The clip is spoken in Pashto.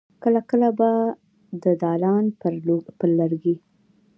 کله کله به د دالان پر لرګي.